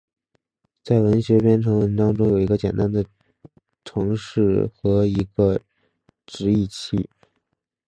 在文学编程文章中有一个简单的程式和一个直译器。